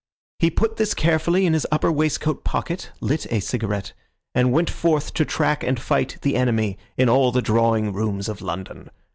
He put this carefully in his upper waistcoat pocket, lit a cigarette, and went forth to track and fight the enemy in all the drawing rooms of London.